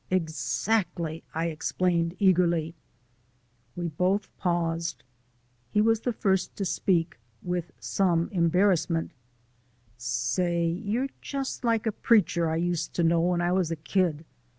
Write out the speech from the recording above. "Exactly," I exclaimed eagerly. We both paused. He was the first to speak with some embarrassment: "Say, you're just like a preacher I used to know when I was a kid.